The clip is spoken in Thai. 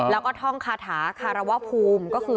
แล้วก็ท่องคาถาคารวภูมิก็คือ